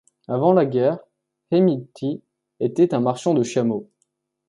Avant la guerre, Hemidti était un marchand de chameaux.